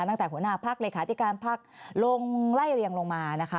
ตั้งแต่ขุมหน้ากลักษณภาพแหลกขาสเดียวการพักลงไล่เรียงลงมา